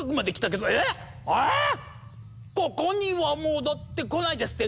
ここには戻ってこないですって